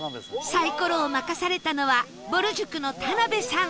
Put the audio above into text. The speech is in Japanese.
サイコロを任されたのはぼる塾の田辺さん